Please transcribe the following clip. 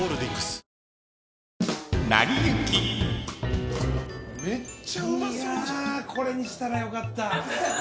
いやこれにしたらよかった。